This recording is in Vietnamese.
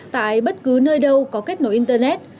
tại bất cứ nơi đâu có kết nối internet